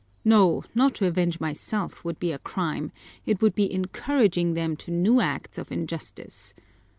No, not to avenge myself would be a crime, it would be encouraging them to new acts of injustice!